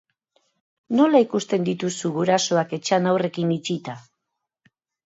Nola ikusten dituzu gurasoak etxean haurrekin itxita?